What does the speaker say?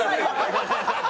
ハハハハ！